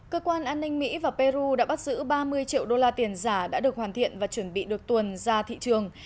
cơ quan an ninh mỹ và peru đã bắt giữ ba mươi triệu đô la tiền giả đã được hoàn thiện và chuẩn bị được tuần ra thị trường